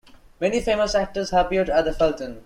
Many famous actors have appeared at the Fulton.